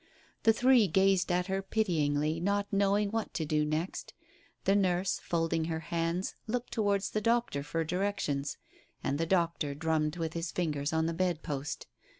The three gazed at her pityingly, not knowing what to do next. The nurse, folding her hands, looked towards the doctor for directions, and the doctor drummed with his fingers on the bed post.